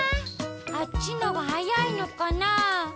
あっちのがはやいのかな。